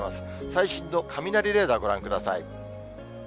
最新の雷レーダーご覧ください。